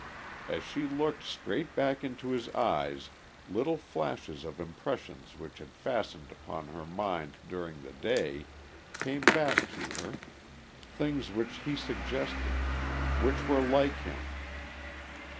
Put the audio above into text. As she looked straight back into his eyes little flashes of impressions which had fastened upon her mind during the day came back to her, things which he suggested, which were like him.